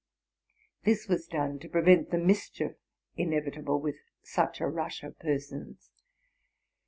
This was done to prevent the mischief inevitable with such a rush of per sons.